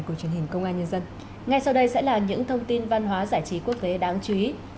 phát triển công an nhân dân ngay sau đây sẽ là những thông tin văn hóa giải trí quốc tế đáng chú ý